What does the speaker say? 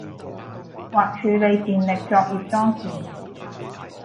或處理電力作業裝置